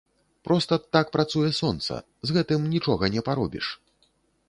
Проста так працуе сонца, з гэтым нічога не паробіш.